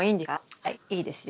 はいいいですよ。